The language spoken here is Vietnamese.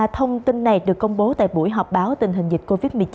thông tin này được công bố tại buổi họp báo tình hình dịch covid một mươi chín